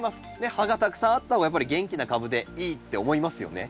葉がたくさんあった方がやっぱり元気な株でいいって思いますよね。